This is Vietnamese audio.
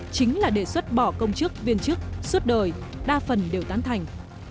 chính là đề xuất bỏ công chức viên chức suốt đời đa phần đều tán thành